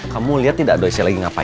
kamu liat tidak doi saya lagi ngapain